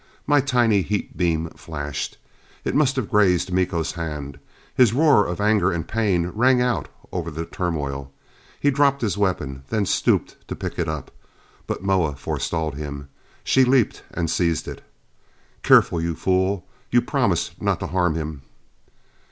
My tiny heat beam flashed. I must have grazed Miko's hand. His roar of anger and pain rang out over the turmoil. He dropped his weapon; then stooped to pick it up. But Moa forestalled him. She leaped and seized it. "Careful! Fool, you promised not to harm him!"